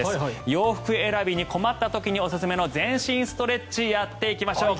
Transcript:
洋服選びに困った時におすすめの全身ストレッチやっていきましょう。